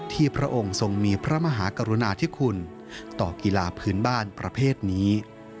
พระองค์ทรงมีพระมหากรุณาธิคุณต่อกีฬาพื้นบ้านประเภทนี้